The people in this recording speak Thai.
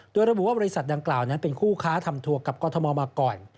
โดยระบุว่าบริษัทดังกล่าวนั้นเป็นคู่ค้าทำทัวร์กับกรทมมาก่อน